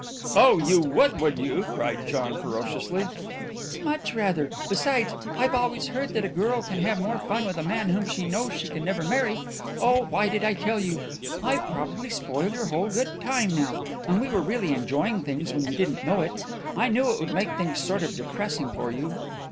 "Oh, you would, would you?" cried John ferociously. "Much rather. Besides, I've always heard that a girl can have more fun with a man whom she knows she can never marry. Oh, why did I tell you? I've probably spoiled your whole good time now, and we were really enjoying things when you didn't know it. I knew it would make things sort of depressing for you."